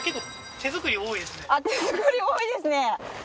手作り多いですねあっ